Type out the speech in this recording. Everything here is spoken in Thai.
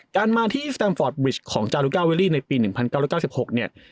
การมาที่สแตนฟอร์ดบริชของจารุกาเวียรี่ในปี๑๙๙๖